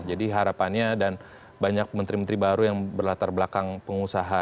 jadi harapannya dan banyak menteri menteri baru yang berlatar belakang pengusaha